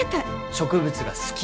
植物が好き